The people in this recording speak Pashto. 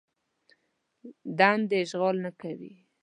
دندې اشغال نه کوي.